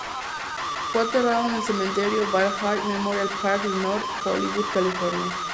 Fue enterrado en el cementerio Valhalla Memorial Park de North Hollywood, California.